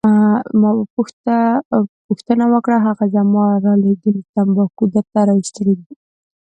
ما پوښتنه وکړه: هغه زما رالیږلي تمباکو درته راورسیدل؟